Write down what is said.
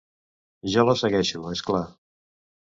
Jo la segueixo, és clar.